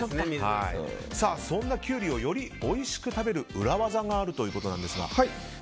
そんなキュウリをよりおいしく食べる裏技があるということですが。